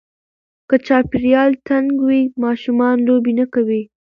که چاپېریال تنګ وي، ماشومان لوبې نه کوي.